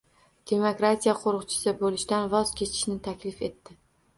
«Demokratiya qo‘riqchisi» bo‘lishdan voz kechishni taklif etdi.